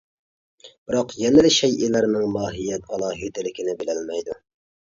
بىراق يەنىلا شەيئىلەرنىڭ ماھىيەت ئالاھىدىلىكىنى بىلەلمەيدۇ.